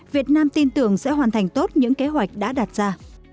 việt nam tin tưởng sẽ hoàn thành tốt những kế hoạch đã đạt ra